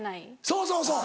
そうそうそう。